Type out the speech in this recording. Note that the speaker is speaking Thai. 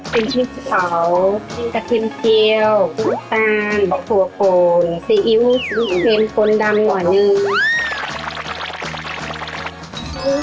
กินพริกสาวกระเทียมเจียวพรุ่งตาลทั่วโกนซีอิ๊วซีอิ๊วเช็มโกนดำหัวหนึ่ง